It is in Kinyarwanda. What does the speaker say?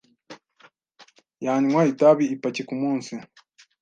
Yanywa itabi ipaki kumunsi.